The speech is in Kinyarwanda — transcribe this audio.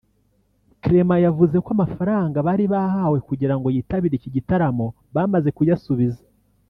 Clement yavuze ko amafaranga bari bahawe kugirango yitabire iki gitaramo bamaze kuyasubiza